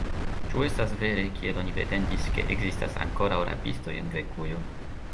Ĉu estas vere, kiel oni pretendis, ke ekzistas ankoraŭ rabistoj en Grekujo?